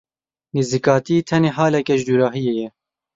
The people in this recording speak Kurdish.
Nêzîkatî tenê halek e ji dûrahiyê ye.